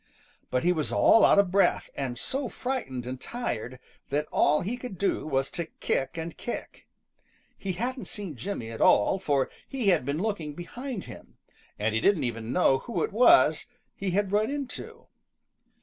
But he was all out of breath, and so frightened and tired that all he could do was to kick and kick. He hadn't seen Jimmy at all, for he had been looking behind him, and he didn't even know who it was he had run into.